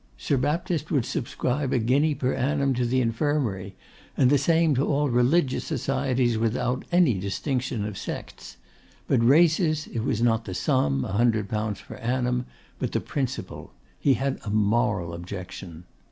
Sir Baptist would subscribe a guinea per annum to the infirmary, and the same to all religious societies without any distinction of sects; but races, it was not the sum, 100_l._ per annum, but the principle. He had a moral objection.